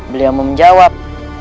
beliau mau menjawab